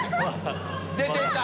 出てった。